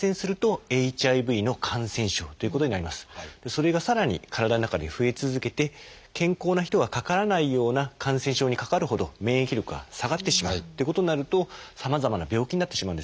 それがさらに体の中で増え続けて健康な人がかからないような感染症にかかるほど免疫力が下がってしまうということになるとさまざまな病気になってしまうんですよね。